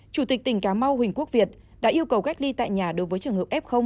chủ tịch tỉnh cà mau huỳnh quốc việt đã yêu cầu cách ly tại nhà đối với trường hợp f